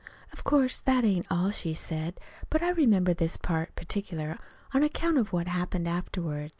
"Of course that ain't all she said; but I remember this part particular on account of what happened afterward.